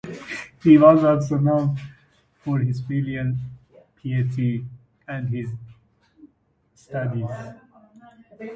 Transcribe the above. He was also known for his filial piety and his literary studies.